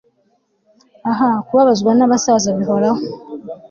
Ah kubabazwa nabasaza bihoraho